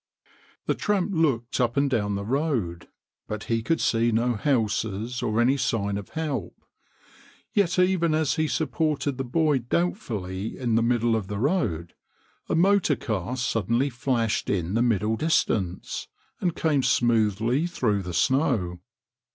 The tramp looked up and down the road, but he could see no houses or any sign of help. Yet even as he supported the boy doubtfully in the middle of the road a motor car suddenly flashed in the middle distance, and came smoothly through the snow.